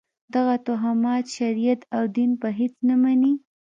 دغه توهمات شریعت او دین په هېڅ نه مني.